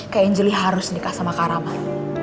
kak injeli harus nikah sama karaman